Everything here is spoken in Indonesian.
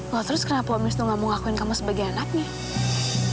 wah terus kenapa omis tuh gak mau ngakuin kamu sebagai anaknya